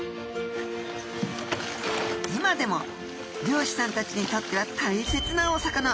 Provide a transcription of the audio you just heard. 今でも漁師さんたちにとっては大切なお魚。